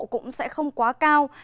cũng sẽ không quá cao